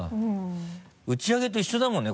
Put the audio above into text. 打ち上げと一緒だもんね